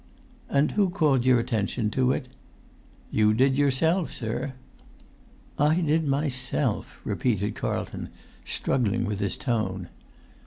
"And who called your attention to it?" "You did yourself, sir." "I did myself!" repeated Carlton, struggling with his tone.